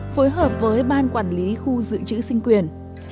phối hợp với ban quản lý khu dự trữ sinh quyền